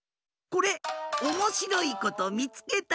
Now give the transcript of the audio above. これおもしろいことみつけ